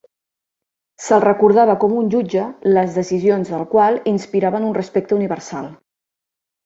Se'l recordava com un jutge les decisions del qual inspiraven un respecte universal.